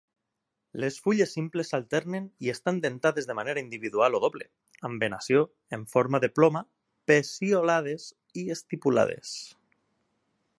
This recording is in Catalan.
Les fulles simples s'alternen i estan dentades de manera individual o doble, amb venació en forma de ploma, peciolades i estipulades.